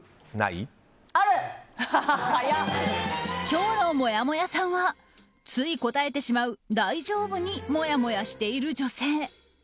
今日のもやもやさんはつい答えてしまう「大丈夫」にもやもやしている女性。